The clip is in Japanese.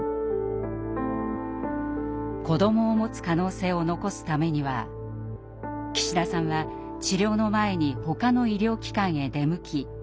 子どもをもつ可能性を残すためには岸田さんは治療の前にほかの医療機関へ出向き